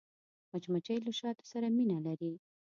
مچمچۍ له شاتو سره مینه لري